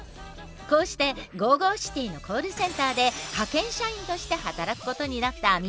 こうしてＧＯＧＯＣＩＴＹのコールセンターで派遣社員として働くことになった網浜。